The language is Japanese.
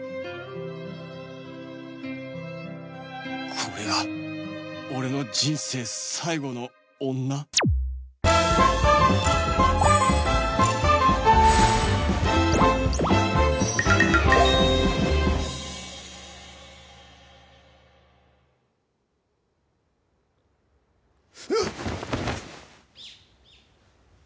これが俺の人生最後の女？うっ！